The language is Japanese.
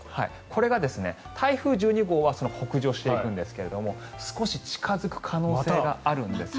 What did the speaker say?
これが、台風１２号は北上していくんですが少し近付く可能性があるんです。